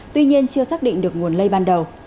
tuy nhiên chưa xác định được nguồn lây ban đầu